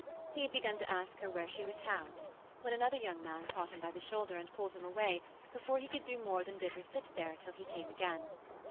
He had begun to ask her where she was housed, when another young man caught him by the shoulder and pulled him away before he could do more than bid her sit there till he came again.